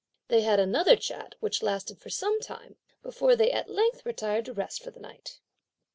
They had another chat, which lasted for some time, before they at length retired to rest for the night.